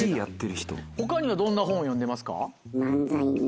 他にはどんな本を読んでますか？